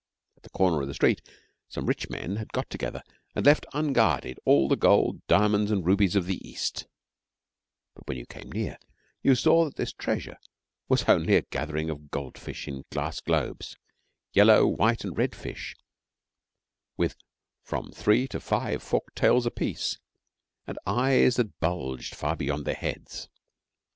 At a corner of a street, some rich men had got together and left unguarded all the gold, diamonds, and rubies of the East; but when you came near you saw that this treasure was only a gathering of goldfish in glass globes yellow, white, and red fish, with from three to five forked tails apiece and eyes that bulged far beyond their heads.